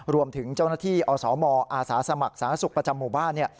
รวมถึงเจ้าหน้าที่อสมอาสาสมัครสาธารณสุขประจำหมู่บ้าน